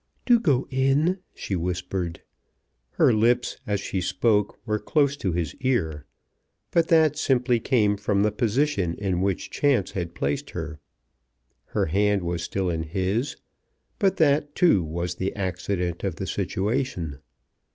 "Do go in," she whispered. Her lips as she spoke were close to his ear, but that simply came from the position in which chance had placed her. Her hand was still in his, but that, too, was the accident of the situation.